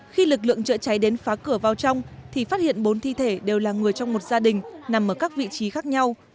khi lực lượng chữa cháy đến phá cửa vào trong thì phát hiện bốn thi thể đều là người trong một gia đình nằm ở các vị trí khác nhau